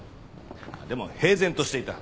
でも平然としていた。